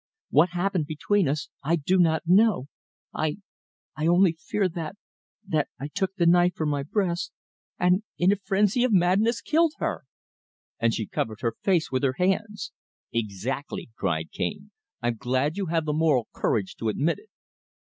What happened between us I do not know. I I only fear that that I took the knife from my breast and, in a frenzy of madness killed her!" And she covered her face with her hands. "Exactly!" cried Cane. "I'm glad you have the moral courage to admit it."